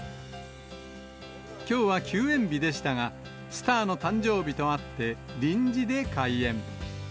きょうは休園日でしたが、スターの誕生日とあって、臨時で開園。